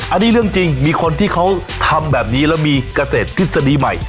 อันนี้เรื่องจริงมีคนที่เขาทำแบบนี้แล้วมีเกษตรทฤษฎีใหม่